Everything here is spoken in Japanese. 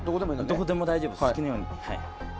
どこでも大丈夫です。